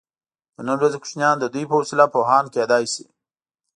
د نن ورځې کوچنیان د دوی په وسیله پوهان کیدای شي.